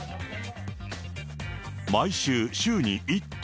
毎週、週に１頭？